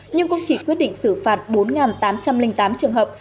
nhưng cũng chỉ quyết định xử phạt bốn tám trăm linh tám trường hợp